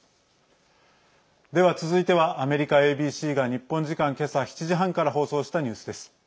では続いては、アメリカＡＢＣが日本時間今朝７時半から放送したニュースです。